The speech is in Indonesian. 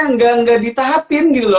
nggak ditahapin gitu loh